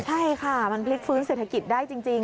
ใช่ค่ะมันพลิกฟื้นเศรษฐกิจได้จริง